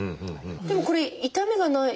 でもこれ痛みがないんですか？